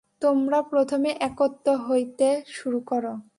তোমরা প্রথমে একত্ব হইতে শুরু কর।